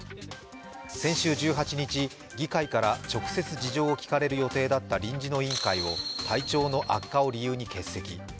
先週１８日、議会から直接事情を聞かれる予定だった臨時の委員会を体調の悪化を理由に欠席。